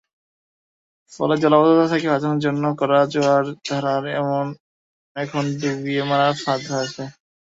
ফলে জলাবদ্ধতা থেকে বাঁচানোর জন্য করা জোয়ারাধার এখন ডুবিয়ে মারার ফাঁদ হয়েছে।